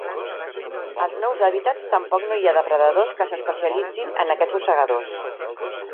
Als nous hàbitats tampoc no hi ha depredadors que s'especialitzin en aquests rosegadors.